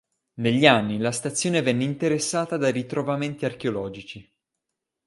Negli anni la stazione venne interessata da ritrovamenti archeologici.